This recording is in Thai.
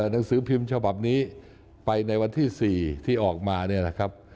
หนังสือพิมพ์ฉบับนี้ไปในวันที่๔ที่ออกมา